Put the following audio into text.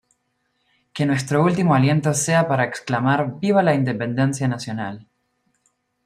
Que nuestro último aliento sea para exclamar viva la Independencia Nacional".